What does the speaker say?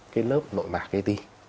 cái lớp nội mạc ấy đi